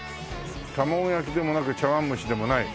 「玉子焼きでもなく茶碗蒸しでもない」